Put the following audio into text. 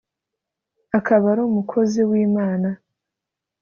akaba ari umukozi w Imana